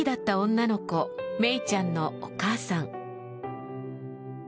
女の子めいちゃんのお母さん。